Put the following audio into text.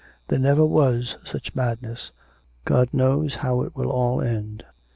There never was such madness; God knows how it will all end.'